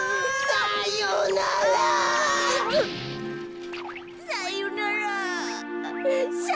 さよなら！